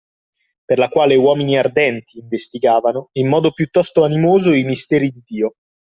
Per la quale uomini ardenti, investigavano, in modo piuttosto animoso i misteri di Dio